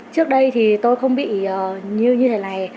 trước đây thì tôi không bị như thế này